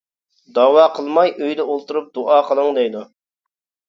داۋا قىلماي ئۆيدە ئولتۇرۇپ دۇئا قىلىڭ دەيدۇ.